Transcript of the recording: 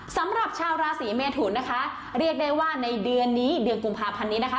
สำหรับชาวราศีเมทุนนะคะเรียกได้ว่าในเดือนนี้เดือนกุมภาพันธ์นี้นะคะ